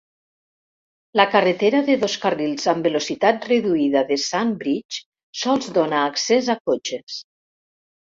La carretera de dos carrils amb velocitat reduïda de Sandbridge sols dóna accés a cotxes.